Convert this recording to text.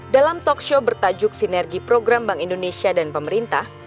dalam talkshow bertajuk sinergi program bank indonesia dan pemerintah